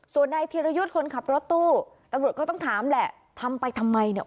ส่วนนายธีรยุทธ์คนขับรถตู้ตำรวจก็ต้องถามแหละทำไปทำไมเนี่ย